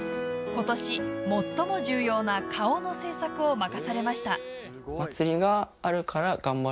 今年、最も重要な「顔」の制作を任されました。